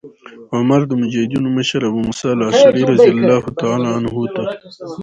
عمر د مجاهدینو مشر ابو موسی الأشعري رضي الله عنه ته